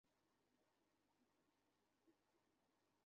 নিজ শহর তায়েফ রক্ষার চিন্তা তাকে পাগল করে তুলেছিল।